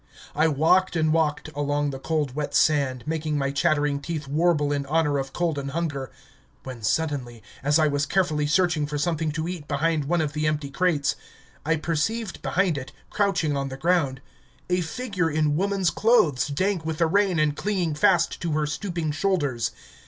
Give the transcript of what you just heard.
I walked and walked along the cold wet sand, making my chattering teeth warble in honour of cold and hunger, when suddenly, as I was carefully searching for something to eat behind one of the empty crates, I perceived behind it, crouching on the ground, a figure in woman's clothes dank with the rain and clinging fast to her stooping shoulders.